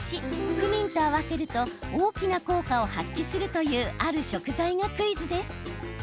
クミンと合わせると大きな効果を発揮するというある食材がクイズです。